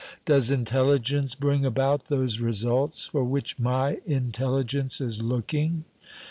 Does intelligence bring about those results for which my intelligence is looking?